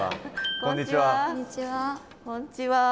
こんちは。